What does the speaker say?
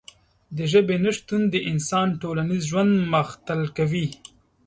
د ژبې نشتون د انسان ټولنیز ژوند مختل کوي.